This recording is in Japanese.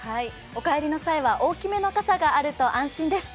お帰りの際は大きめの傘があると安心です。